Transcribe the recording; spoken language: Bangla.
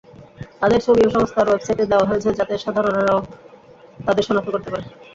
তাদের ছবিও সংস্থার ওয়েবসাইটে দেওয়া হয়েছে যাতে সাধারণেরাও তাদের শনাক্ত করতে পারে।